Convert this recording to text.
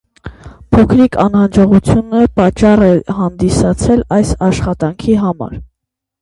Փոքրիկ անհաջողությունը պատճառ է հանդիսացել այս աշխատանքի համար։